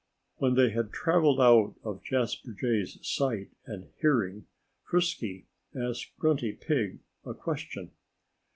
When they had travelled out of Jasper Jay's sight and hearing, Frisky asked Grunty Pig a question.